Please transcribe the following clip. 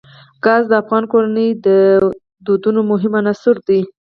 ګاز د افغان کورنیو د دودونو مهم عنصر دی.